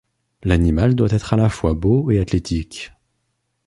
L'animal doit être à la fois beau et athlétique.